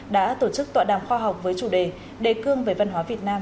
đã tổ chức tọa đàm khoa học với chủ đề đề cương về văn hóa việt nam